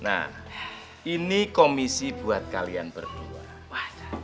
nah ini komisi buat kalian berdua